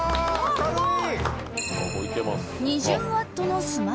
すごい！